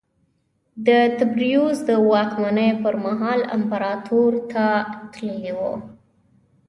د تبریوس د واکمنۍ پرمهال امپراتور ته تللی و